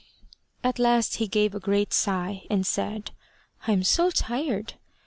At last he gave a great sigh, and said, "I'm so tired."